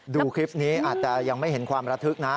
ดูคลิปนี้อาจจะยังไม่เห็นความระทึกนะ